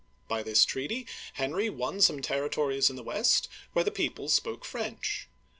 By this treaty, Henry won some territories in the west where the people spoke French.